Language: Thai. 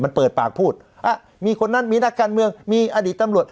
มันเปิดปากพูดมีคนนั้นมีนักการเมืองมีอดีตตำรวจ